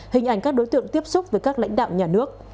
hình ảnh các đối tượng tiếp xúc với các lãnh đạo nhà nước